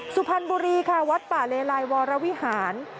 สุพรรณบุรีค่ะวัดป่าเลไลวรวิหาร